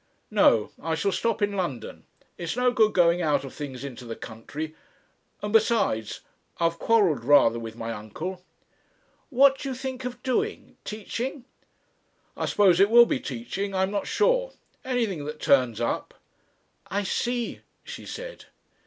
"No. I shall stop in London. It's no good going out of things into the country. And besides I've quarrelled rather with my uncle." "What do you think of doing? teaching?" "I suppose it will be teaching, I'm not sure. Anything that turns up." "I see," she said.